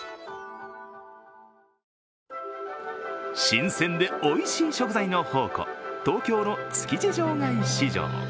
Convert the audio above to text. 新鮮でおいしい食材の宝庫、東京の築地場外市場。